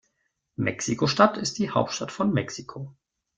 Mexiko-Stadt ist die Hauptstadt von Mexiko.